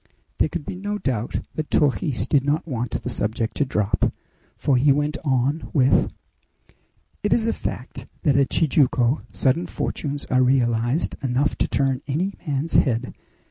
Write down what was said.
There could be no doubt that Torres did not want the subject to drop, for he went on with: "It is a fact that at Tijuco sudden fortunes are realized enough to turn any man's head!